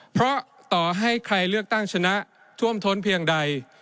เพราะต่อให้ใครเลือกตั้งชนะท่วมท้นเพียงใด